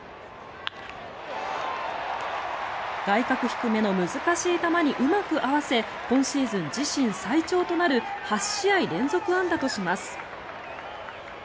外角低めの難しい球にうまく合わせ今シーズン自身最長となる８試合連続安打とします。